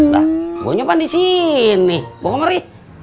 wah gua nyupan di sini buka meri